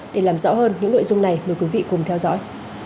để làm rõ hơn những nội dung này mời quý vị cùng theo dõi